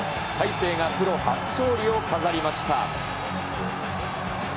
大勢がプロ初勝利を飾りました。